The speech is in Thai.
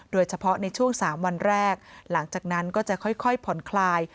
โดยเฉพาะในช่วง๓วันแรกหลังจากนั้นก็จะค่อยผ่อนคลาย